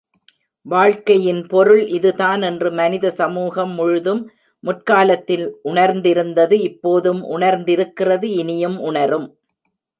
வாழ்க்கையின் பொருள் இதுதான் என்று மனித சமூகம் முழுதும் முற்காலத்தில் உணர்ந்திருந்தது இப்போதும் உணர்ந்திருக்கிறது இனியும் உணரும்.